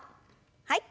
はい。